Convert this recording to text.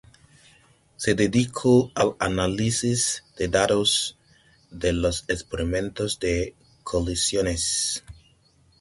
Se dedicó al análisis de datos de los experimentos de colisiones.